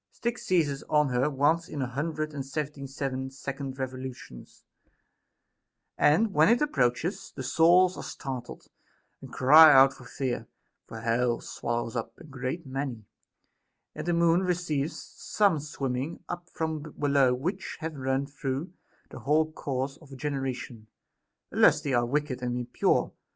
Styx seizes on ht r once in a hundred and seventy seven second revolutions ; and when it approaches, the souls are startled, and cry out for fear ; for hell swallows up a great many, and the Moon receives some swimming up from below which have run through their whole course of generation, unless they are wicked and impure.